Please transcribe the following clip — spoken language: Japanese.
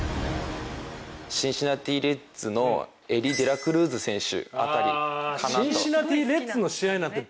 シンシナティ・レッズのエリー・デラクルーズ選手。